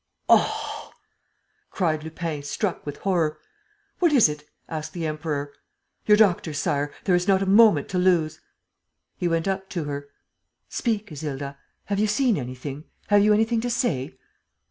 "Oh!" cried Lupin, struck with horror. "What is it?" asked the Emperor. "Your doctor, Sire. There is not a moment to lose." He went up to her: "Speak, Isilda. ... Have you seen anything? Have you anything to say?"